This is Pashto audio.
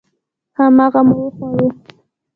هماغه مو وخوړه.